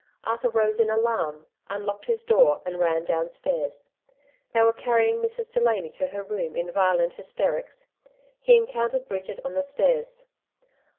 Arthur rose in alarm, unlocked his door, and ran downstairs. They were carrying Mrs. Delaiiy to her room in violent hysterics. He encountered Bridget on the stairs.